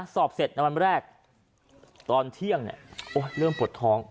สอบเสร็จในวันแรกตอนเที่ยงเริ่มปวดท้อง